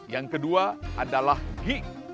yang kedua adalah gi